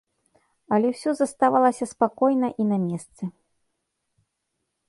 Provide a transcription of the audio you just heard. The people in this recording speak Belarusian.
Але ўсё заставалася спакойна і на месцы.